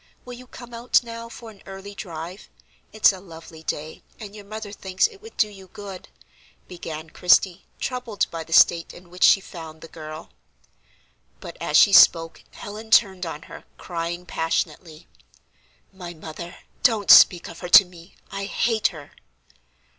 Will you come out now for an early drive? It's a lovely day, and your mother thinks it would do you good," began Christie, troubled by the state in which she found the girl. But as she spoke Helen turned on her, crying passionately: "My mother! don't speak of her to me, I hate her!"